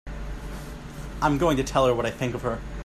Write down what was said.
I'm going to tell her what I think of her!